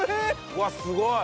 うわっすごい！